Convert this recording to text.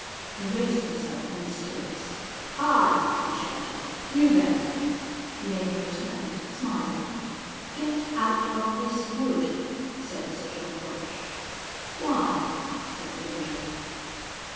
He raised himself in the stirrups. "Hi!" he shouted. "You there!" The Angel turned smiling. "Get out of this wood!" said Sir John Gotch. "Why?" said the Angel.